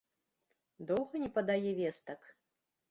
Доўга не падае вестак?